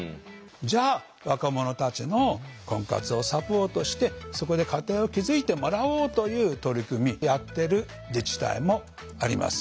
じゃあ若者たちの婚活をサポートしてそこで家庭を築いてもらおうという取り組みやってる自治体もあります。